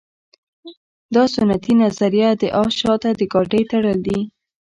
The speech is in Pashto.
دا سنتي نظریه د اس شاته د ګاډۍ تړل دي